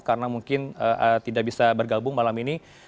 karena mungkin tidak bisa bergabung malam ini